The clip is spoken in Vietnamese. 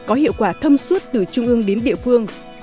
có hiệu quả thâm suốt từ trung ương đến địa phương